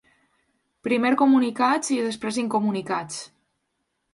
Primer comunicats i després incomunicats.